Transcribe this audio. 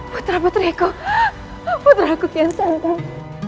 putra putriku putraku kian sanggup